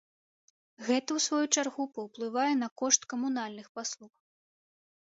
Гэта, у сваю чаргу, паўплывае на кошт камунальных паслуг.